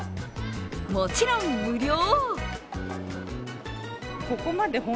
もちろん無料。